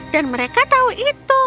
dan mereka tahu itu